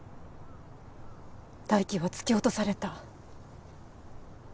泰生は突き落とされた。